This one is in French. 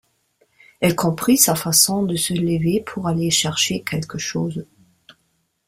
Elle comprit sa façon de se lever pour aller chercher quelque chose